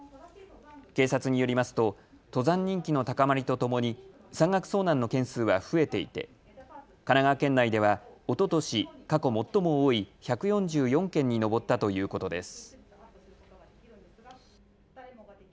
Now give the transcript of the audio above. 警察によりますと登山人気の高まりとともに山岳遭難の件数は増えていて神奈川県内ではおととし過去最も多い１４４件に上ったということです。